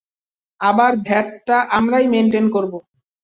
আবার ভ্যাটটা আমরা মেনটেইন করব।